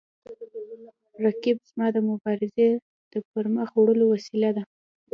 رقیب زما د مبارزې د پرمخ وړلو وسیله ده